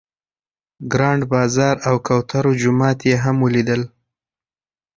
ګرانډ بازار او کوترو جومات یې هم ولیدل.